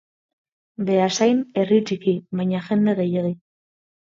Beasain herri txiki, baina jende gehiegi.